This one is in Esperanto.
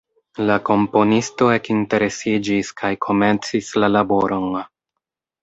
La komponisto ekinteresiĝis kaj komencis la laboron.